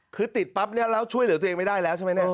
คือติดปั๊บเนี่ยแล้วช่วยเหลือตัวเองไม่ได้แล้วใช่ไหมเนี่ย